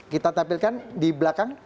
kita tampilkan di belakang